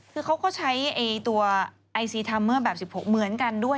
คือเขาก็ใช้ตัวไอซีทัมเมอร์แบบ๑๖เหมือนกันด้วย